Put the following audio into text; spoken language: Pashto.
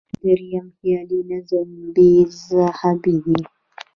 درېیم، خیالي نظم بینالذهني دی.